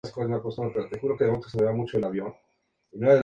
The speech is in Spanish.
Está emparentado por matrimonio con la familia Lladró.